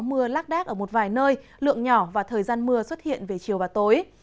mưa lác đác ở một vài nơi lượng nhỏ và thời gian mưa xuất hiện về chiều và tối